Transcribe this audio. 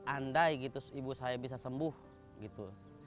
andai gitu ibu saya bisa sembuh gitu